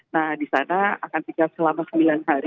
nah di sana akan tinggal selama sembilan hari